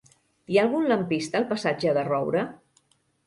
Hi ha algun lampista al passatge de Roura?